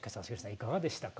いかがでしたか？